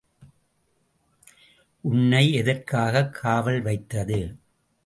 உன்னை எதற்காகக் காவல் வைத்தது?